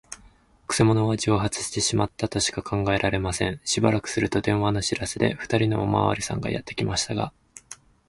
くせ者は蒸発してしまったとしか考えられません。しばらくすると、電話の知らせで、ふたりのおまわりさんがやってきましたが、